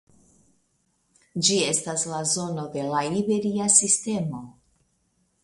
Ĝi estas en la zono de la Iberia Sistemo.